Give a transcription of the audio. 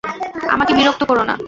আমাকে বিরক্ত করো না।